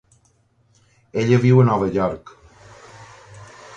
Ella viu a Nova York.